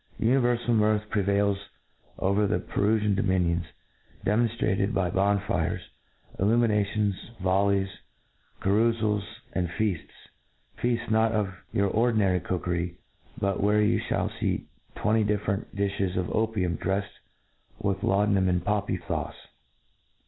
U* niverfal mirth prevails over the Periian domi^ ' nionsy demonftrated by bonefires, illuminations, voHies^ caroufals, and feafts— feafts, not of youif ^ ocdinaiy cookery, but where you fliall fee ttven tf( different dilhe$ of opium dreffed jrith lauda num and poppy fauce.